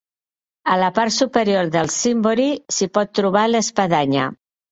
A la part superior del cimbori s'hi pot trobar l'espadanya.